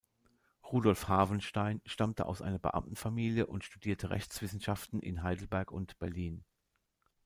Rudolf Havenstein stammte aus einer Beamtenfamilie und studierte Rechtswissenschaften in Heidelberg und Berlin.